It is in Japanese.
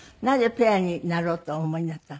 なぜペアになろうとお思いになった？